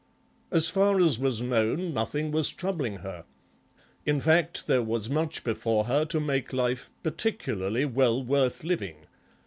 As far as was known nothing was troubling her; in fact there was much before her to make life particularly well worth living.